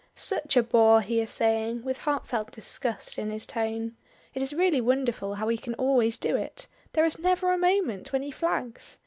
"Such a bore!" he is saying, with heartfelt disgust in his tone. It is really wonderful how he can always do it. There is never a moment when he flags.